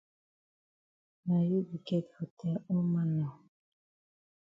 Na you be get for tell all man nor.